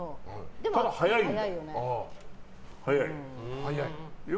ただ早いんだよ。